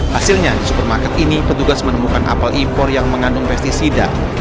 hasilnya di supermarket ini petugas menemukan apel impor yang mengandung pesticida